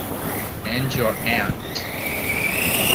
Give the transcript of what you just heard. And your aunt.